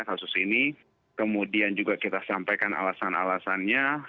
jadi ini kemudian juga kita sampaikan alasan alasannya